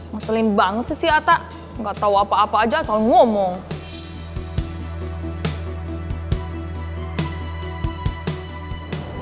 maselin banget sih si ata gak tau apa apa aja asal ngomong